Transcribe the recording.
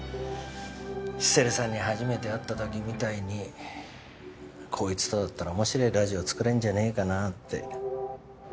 シセルさんに初めて会った時みたいにこいつとだったら面白えラジオ作れるんじゃねえかなって。